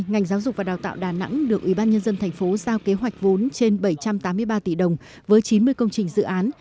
năm hai nghìn hai mươi ngành giáo dục và đào tạo đà nẵng được ủy ban nhân dân thành phố giao kế hoạch vốn trên bảy trăm tám mươi ba tỷ đồng với chín mươi công trình dự án